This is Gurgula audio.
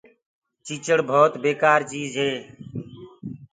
تيچڙ ڀوت بيڪآر چيج هي۔